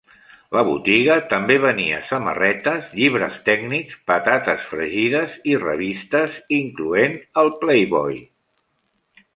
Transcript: La botiga també venia samarretes, llibres tècnics, patates fregides i revistes, incloent el "Playboy".